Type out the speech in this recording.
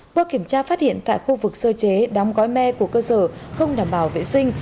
qua kiểm tra phát hiện tại khu vực sơ chế đóng gói me của cơ sở không đảm bảo vệ sinh